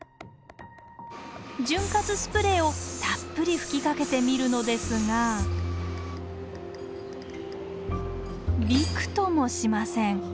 潤滑スプレーをたっぷり吹きかけてみるのですがびくともしません。